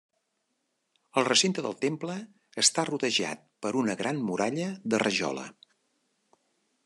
El recinte del temple està rodejat per una gran muralla de rajola.